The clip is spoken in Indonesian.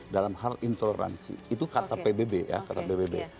dalam hal intoleransi itu kata pbb ya kata pbb